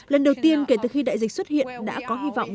lần đầu tiên kể từ khi đại dịch xuất hiện đã có hy vọng